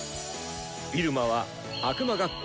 入間は悪魔学校